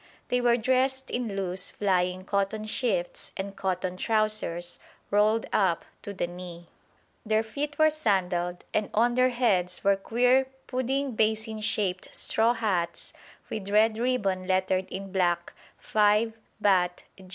They were dressed in loose flying cotton shifts and cotton trousers, rolled up to the knee. Their feet were sandalled, and on their heads were queer pudding basin shaped straw hats with red ribbon lettered in black 5 Bat.